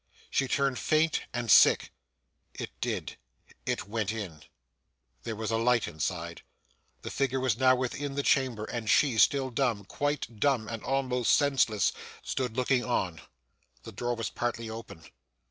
She turned faint and sick. It did. It went in. There was a light inside. The figure was now within the chamber, and she, still dumb quite dumb, and almost senseless stood looking on. The door was partly open.